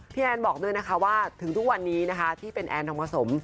แอนบอกด้วยนะคะว่าถึงทุกวันนี้นะคะที่เป็นแอนทองผสม